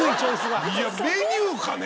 いやメニューかね！